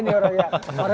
jadi aku udah pede